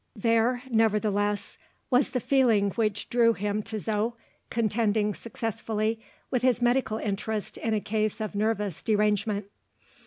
There, nevertheless, was the feeling which drew him to Zo, contending successfully with his medical interest in a case of nervous derangement.